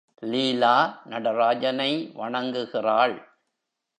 லீலா நடராஜனை வணங்குகிறாள்.